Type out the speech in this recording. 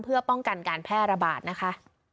เพื่อป้องกันการแพร่ระบาดนะคะ